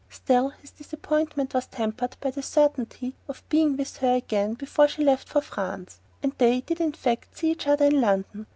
Still, his disappointment was tempered by the certainty of being with her again before she left for France; and they did in fact see each other in London.